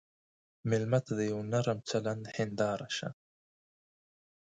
مېلمه ته د یوه نرم چلند هنداره شه.